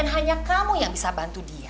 dan hanya kamu yang bisa bantu dia